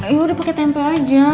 ya udah pakai tempe aja